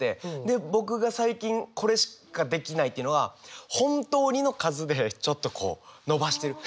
で僕が最近これしかできないというのは「本当に」の数でちょっとのばしてる。